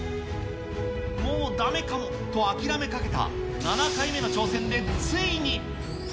もうだめかもと諦めかけた７回目の挑戦でついに。